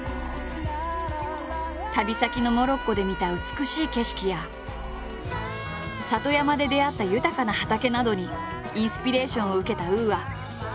旅先のモロッコで見た美しい景色や里山で出会った豊かな畑などにインスピレーションを受けたＵＡ。